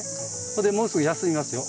ここでもうすぐ休みますよ。